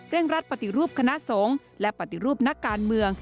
รัฐปฏิรูปคณะสงฆ์และปฏิรูปนักการเมือง